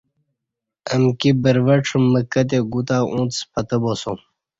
امکی بروژڄہ مکہ تے گُو تہ اوݩڅ پتہ باسوم